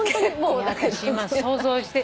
私今想像して。